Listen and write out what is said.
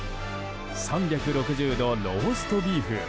３６０度、ローストビーフ。